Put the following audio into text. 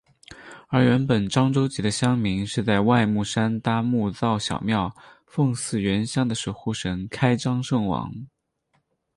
而原本漳州籍的乡民是在外木山搭木造小庙奉祀原乡的守护神开漳圣王。